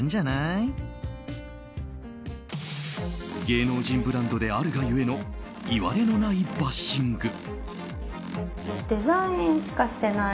芸能人ブランドであるが故のいわれのないバッシング。